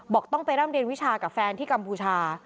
ต้องไปร่ำเรียนวิชากับแฟนที่กัมพูชา